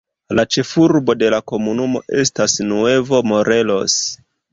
La ĉefurbo de la komunumo estas Nuevo Morelos.